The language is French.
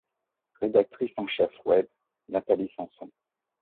Rédactrice en chef web: Nathalie Samson.